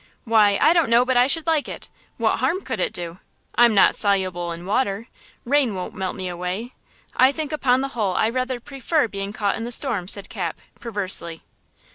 "Why, I don't know but I should like it! What harm could it do? I'm not soluble in water–rain won't melt me away! I think upon the whole I rather prefer being caught in the storm," said Cap, perversely.